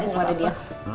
dari keluar dia